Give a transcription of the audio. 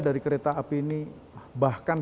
dari kereta api ini bahkan